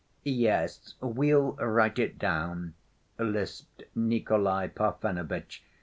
"Yes, we'll write it down," lisped Nikolay Parfenovitch.